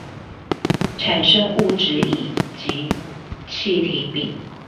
產生物質乙及氣體丙